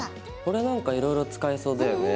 これなんかいろいろ使えそうだよね。